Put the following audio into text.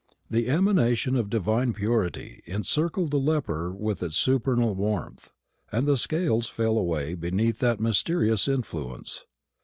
The emanation of divine purity encircled the leper with its supernal warmth, and the scales fell away beneath that mysterious influence.